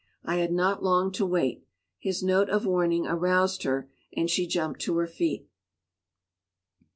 I had not long to wait; his note of warning aroused her, and she jumped to her feet.